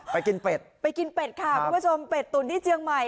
กินเป็ดไปกินเป็ดค่ะคุณผู้ชมเป็ดตุ๋นที่เจียงใหม่